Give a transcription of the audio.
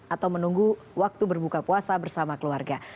atau menunggu waktu berbuka puasa bersama keluarga